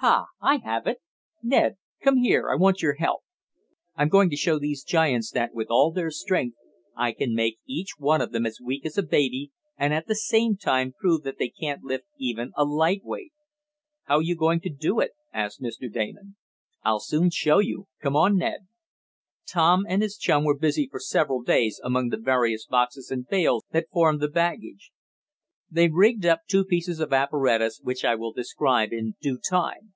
Ha! I have it. Ned, come here, I want your help. I'm going to show these giants that, with all their strength, I can make each of them as weak as a baby, and, at the same time prove that they can't lift even a light weight." "How you going to do it?" asked Mr. Damon. "I'll soon show you. Come on, Ned." Tom and his chum were busy for several days among the various boxes and bales that formed the baggage. They rigged up two pieces of apparatus which I will describe in due time.